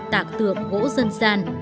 tạc tượng gỗ dân gian